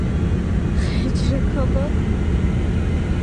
ღეჯ რექო ბო?